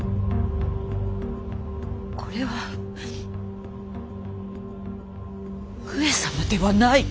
これは上様ではない。